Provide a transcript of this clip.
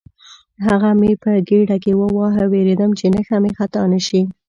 هغه مې په ګېډه کې وواهه، وېرېدم چې نښه مې خطا نه شي.